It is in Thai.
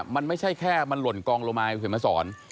มันไม่ใช่แค่มันหล่นกองลงมาคุณเขียนมาสอน